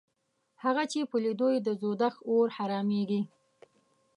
هغه چې په لیدو یې د دوزخ اور حرامېږي